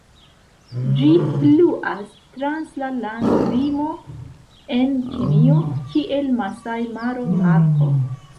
Ĝi pluas trans la landlimo, en Kenjo, kiel Masaj-Maro-Parko.